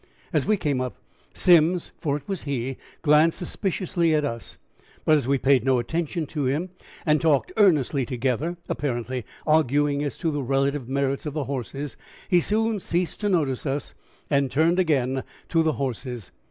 As we came up, Simms, for it was he, glanced suspiciously at us, but as we paid no attention to him and talked earnestly together, apparently arguing as to the relative merits of the horses, he soon ceased to notice us and turned again to the horses.